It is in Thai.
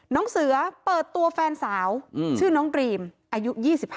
น้องเสือเปิดตัวแฟนสาวชื่อน้องดรีมอายุ๒๕